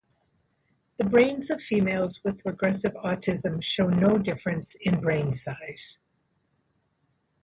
The brains of females with regressive autism show no difference in brain size.